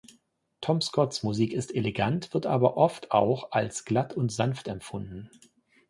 Tom Scotts Musik ist elegant, wird aber oft auch als glatt und sanft empfunden.